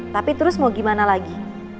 tapi terus mau gimana lagi